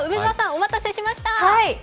お待たせしました。